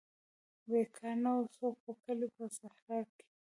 بیکار نه وو څوک په کلي په صحرا کې.